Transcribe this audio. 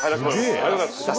ありがとうございます。